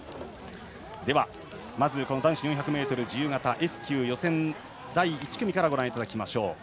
では、まず男子４００ｍ自由形Ｓ９の予選第１組からご覧いただきます。